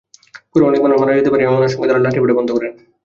পরে অনেক মানুষ মারা যেতে পারে এমন আশঙ্কায় তাঁরা লাঠিপেটা বন্ধ করেন।